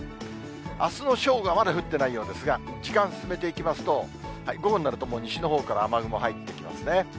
あすの正午はまだ降ってないようですが、時間進めていきますと、午後になると、もう西のほうから雨雲入ってきますね。